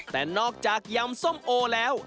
แต่นอกจากยำส้มโอแล้ว